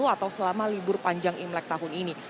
atau selama libur panjang imlek tahun ini